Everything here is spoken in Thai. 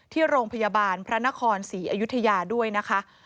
ที่โรงพยาบาลพระนครศรีอยุธยาด้วยนะคะ